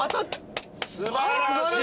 素晴らしい！